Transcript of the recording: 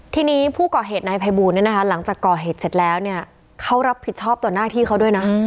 ทีนี้ผู้ก่อเหตุนายภัยบูลหลังจากก่อเหตุเสร็จแล้วเนี่ยเขารับผิดชอบต่อหน้าที่เขาด้วยนะ